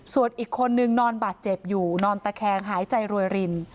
ส่วนอีกคนนึงนอนบาดเจ็บอยู่นอนตะแคงหายใจรวยริน